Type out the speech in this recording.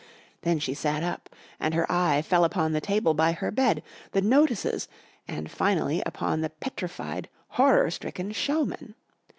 Then she sat up and her eye fell upon the table by her bed, the notices, and finally upon the petrified horror stricken showman.